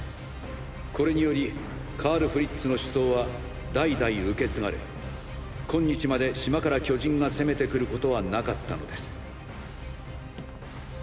これによりカール・フリッツの思想は代々受け継がれ今日まで島から巨人が攻めてくることはなかったのです。